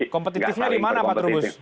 kompetitifnya di mana pak trubus